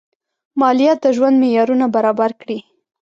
مالیات د ژوند معیارونه برابر کړي.